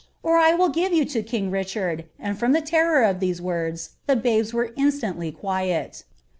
or [ will give yoti lo king Richard; and from ihe terror ITonle the babee were instantly quiet.'"